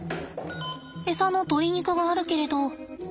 エサの鶏肉があるけれど。